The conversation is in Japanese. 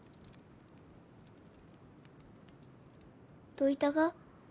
どういたが？